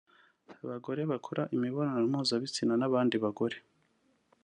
abagore bakora imibonano mpuzabitsina n’abandi bagore